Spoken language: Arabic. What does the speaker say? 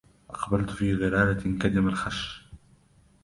أقبلت في غلالة كدم الخش